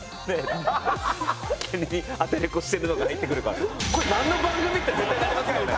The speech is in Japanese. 急にアテレコしてるのが入ってくるからこれなんの番組！？って絶対なりますよね。